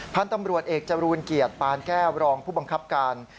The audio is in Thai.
พันธุ์ตำรวจเอกจรูลเกียรติปานแก้วรองผู้บังคับการ